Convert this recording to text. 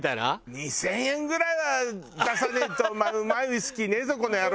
２０００円ぐらいは出さねえとうまいウイスキーねえぞこの野郎！